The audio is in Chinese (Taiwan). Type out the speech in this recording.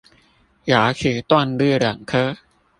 牙齒斷裂兩顆